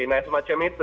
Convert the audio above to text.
nah semacam itu